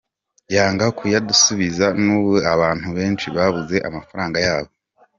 Yanga kuyadusubiza n’ubu abantu benshi babuze amafaranga yabo.